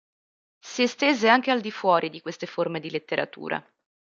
Si estese anche al di fuori di queste forme di letteratura.